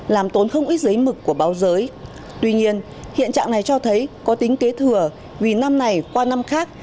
làm tốn không ít giấy mực của báo giới tuy nhiên hiện trạng này cho thấy có tính kế thừa vì năm này qua năm khác